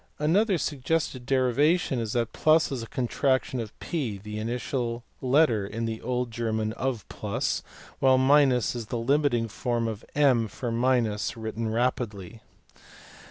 Another suggested derivation is that + is a contraction of *$ the initial letter in Old German of plus, while is the limiting form of m (for minus) when written rapidly.